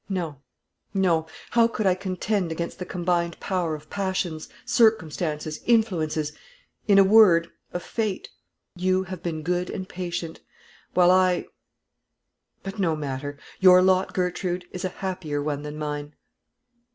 No, no; how could I contend against the combined power of passions, circumstances, influences in a word, of fate? You have been good and patient, while I ; but no matter. Your lot, Gertrude, is a happier one than mine."